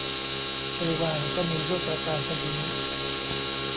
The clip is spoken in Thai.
เอวัง ก็มีด้วยประการฉะนี้